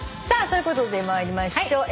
そういうことで参りましょう。